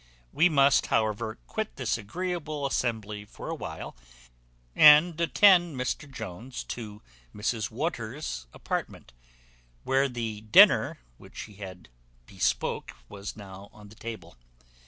We must however quit this agreeable assembly for a while, and attend Mr Jones to Mrs Waters's apartment, where the dinner which he had bespoke was now on the table.